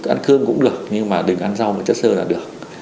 ăn cơm cũng được nhưng mà đừng ăn rau mới chất sơ là được